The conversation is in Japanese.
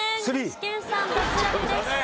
具志堅さん脱落です。